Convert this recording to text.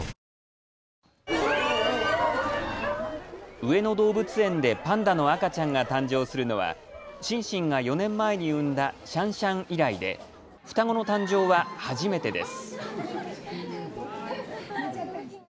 上野動物園でパンダの赤ちゃんが誕生するのはシンシンが４年前に産んだシャンシャン以来で双子の誕生は初めてです。